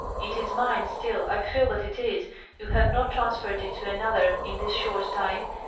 It is mine still; I feel that it is. You have not transferred it to another in this short time.